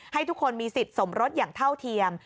ให้ทุกคนมีสิทธิ์สมรสอย่างเท่าเทียม